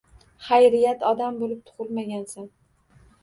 Xayriyat odam bo‘lib tug‘ilmagansan